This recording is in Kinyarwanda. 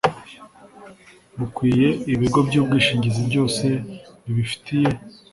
bukwiye ibigo by ubwishingizi byose bibifitiye